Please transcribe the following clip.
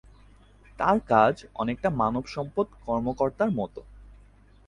তার কাজ অনেকটা মানব সম্পদ কর্মকর্তার মতো।